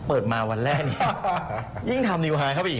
เปิดมาวันแรกนี้ยิ่งทำนิวไฮเข้าไปอีก